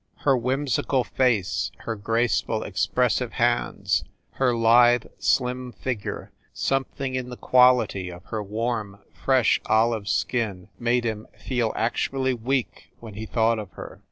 Her whimsical face, her graceful, expressive hands, her lithe, slim fig ure something in the quality of her warm, fresh, olive skin made him feel actually weak when he thought of her.